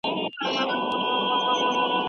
موږ د روښانه راتلونکي لپاره هڅي کوو.